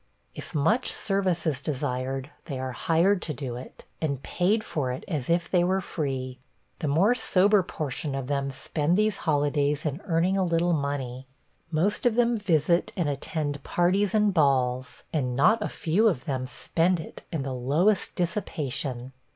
If much service is desired, they are hired to do it, and paid for it as if they were free. The more sober portion of them spend these holidays in earning a little money. Most of them visit and attend parties and balls, and not a few of them spend it in the lowest dissipation.